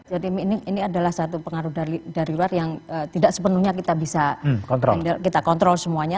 jadi ini adalah satu pengaruh dari luar yang tidak sepenuhnya kita bisa kontrol semuanya